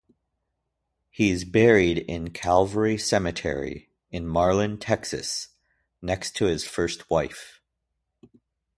He is buried in Calvary Cemetery in Marlin, Texas, next to his first wife.